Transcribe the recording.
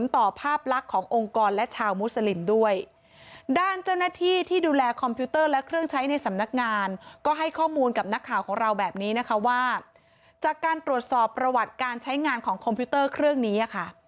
ต่อประวัติการใช้งานของคอมพิวเตอร์เครื่องนี้นะคะ